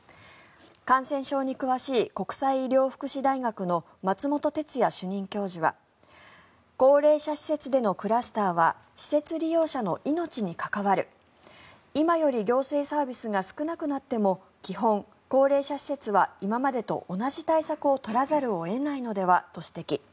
感染症に詳しい国際医療福祉大学の松本哲哉主任教授は高齢者施設でのクラスターは施設利用者の命に関わる今より行政サービスが少なくなっても基本、高齢者施設は今までと同じ対策を取らざるを得ないのではと指摘。